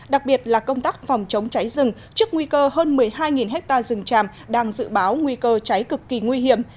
đặc biệt là công tác phòng chống cháy rừng trước nguy cơ hơn một mươi hai hectare rừng tràm đang dự báo nguy cơ cháy cực kỳ nguy hiểm